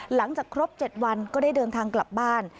หลังจากครบ๗วันก็ได้เดินทางกลับบ้าน